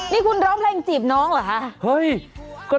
นี่คุณร้องเพลงจีบน้องเหรอคะ